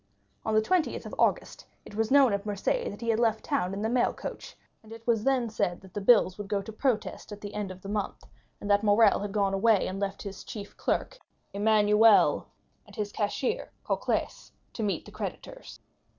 On the 20th of August it was known at Marseilles that he had left town in the mailcoach, and then it was said that the bills would go to protest at the end of the month, and that Morrel had gone away and left his chief clerk Emmanuel, and his cashier Cocles, to meet the creditors.